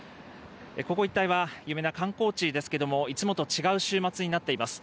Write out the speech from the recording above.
ここ一帯は有名な観光地ですけども、いつもと違う週末になっています。